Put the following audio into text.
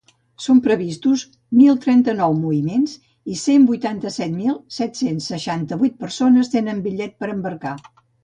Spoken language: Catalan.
Són previstos mil trenta-nou moviments i cent vuitanta-set mil set-cents seixanta-vuit persones tenen bitllets per embarcar.